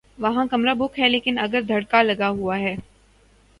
وہاں کمرہ بک ہے لیکن اگر دھڑکا لگا ہوا ہے۔